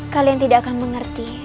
kalian tidak akan mengerti